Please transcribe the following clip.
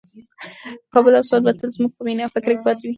کابل او سوات به تل زموږ په مینه او فکر کې پاتې وي.